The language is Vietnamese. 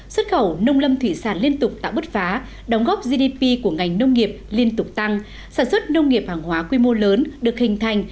xuất khẩu nông lâm thủy sản liên tục tạo bứt phá đóng góp gdp của ngành nông nghiệp liên tục tăng sản xuất nông nghiệp hàng hóa quy mô lớn được hình thành